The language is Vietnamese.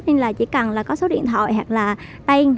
nên là chỉ cần là có số điện thoại hoặc là tên